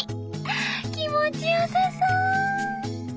気持ちよさそう！